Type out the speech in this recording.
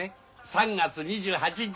３月２８日でさ。